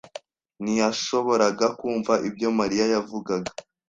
ntiyashoboraga kumva ibyo Mariya yavugaga.